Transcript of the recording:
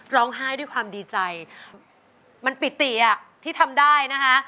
ร้องภายด้วยความดีใจมันปิดตีอะที่ทำได้นะคะ